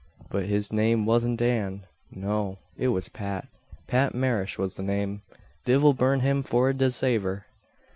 But his name wasn't Dan. No; it was Pat. Pat Marrish was the name divil burn him for a desaver!"